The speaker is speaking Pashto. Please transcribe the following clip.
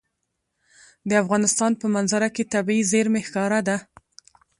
د افغانستان په منظره کې طبیعي زیرمې ښکاره ده.